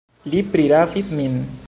Li prirabis min!